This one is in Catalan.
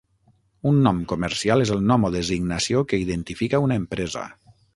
Un nom comercial és el nom o designació que identifica una empresa.